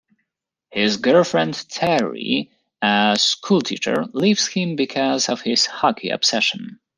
His girlfriend Terry, a schoolteacher, leaves him because of his hockey obsession.